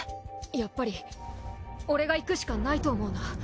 やっぱり俺が行くしかないと思うな。